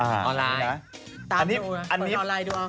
ออนไลน์ตามออนไลน์ดูออก